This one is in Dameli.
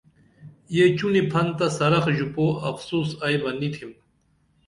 یہ چُنی پھن تہ سرخ ژُپُو افسوس ائی بہ نی تِھم